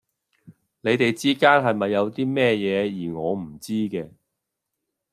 你哋之間係咪有啲咩嘢,而我唔知嘅?